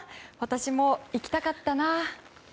私も、行きたかったな。